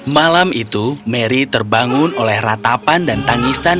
malam itu mary terbangun oleh ratapan dan tangisan